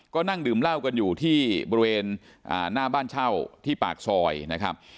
ก็นั่งดื่มเหล้ากันอยู่ที่บริเวณหน้าบ้านเช่าที่ปากซอยนะครับ